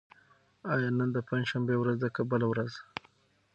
آیا نن د پنجشنبې ورځ ده که بله ورځ؟